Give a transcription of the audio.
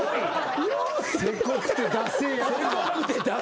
セコくてだせえやつ。